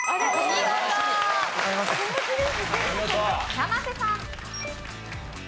生瀬さん。